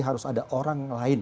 harus ada orang lain